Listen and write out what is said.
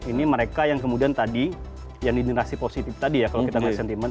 ini mereka yang kemudian tadi yang di generasi positif tadi ya kalau kita pakai sentiment